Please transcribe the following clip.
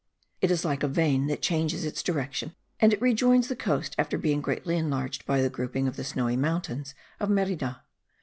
It is like a vein that changes its direction; and it rejoins the coast after being greatly enlarged by the grouping of the snowy mountains of Merida.